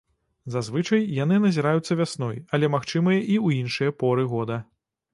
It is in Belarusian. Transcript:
Зазвычай, яны назіраюцца вясной, але магчымыя і ў іншыя поры года.